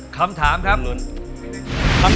กรุงเทพหมดเลยครับ